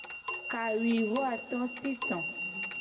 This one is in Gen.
Kawuivoato ti to.